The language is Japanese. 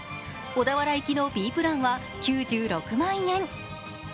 小田原行きのＢプランは９６万円。